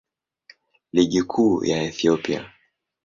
Ligi Kuu ya Ethiopia.